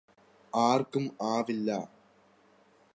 ആര്ക്കും ആവില്ല